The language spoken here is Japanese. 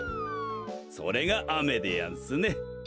それがあめでやんすね。